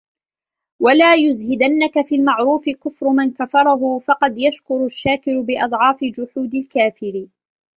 لَا يُزْهِدَنَّك فِي الْمَعْرُوفِ كُفْرُ مَنْ كَفَرَهُ فَقَدْ يَشْكُرُ الشَّاكِرُ بِأَضْعَافِ جُحُودِ الْكَافِرِ